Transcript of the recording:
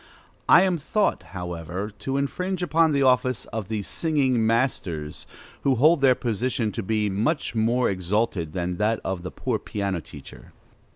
I am thought, however, to infringe upon the office of the singing masters, who hold their position to be much more exalted than that of the poor piano teacher.